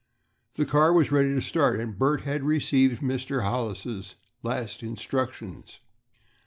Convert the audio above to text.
The car was ready to start, and Bert had received Mr. Hollis' last instructions.